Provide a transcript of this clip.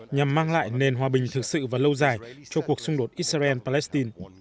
nhằm mang lại nền hòa bình thực sự và lâu dài cho cuộc xung đột israel palestine